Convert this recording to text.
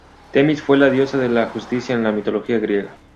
Temis fue la diosa de la Justicia en la mitología griega.